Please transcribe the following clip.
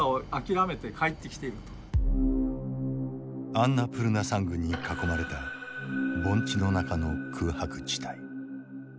アンナプルナ山群に囲まれた盆地の中の空白地帯。